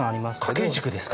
掛け軸ですか？